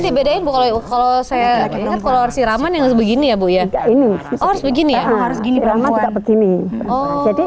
dibedain kalau saya kalau si raman yang sebegini ya bu ya ini harus begini harus gini gini jadi